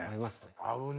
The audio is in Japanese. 合うね。